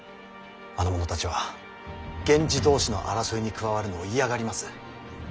あの者たちは源氏同士の争いに加わるのを嫌がります。